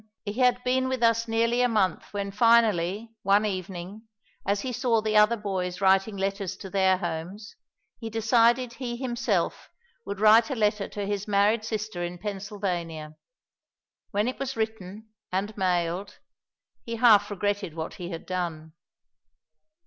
He had been with us nearly a month when finally, one evening, as he saw the other boys writing letters to their homes he decided he himself would write a letter to his married sister in Pennsylvania. When it was written and mailed, he half regretted what he had done.